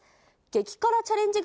激辛チャレンジ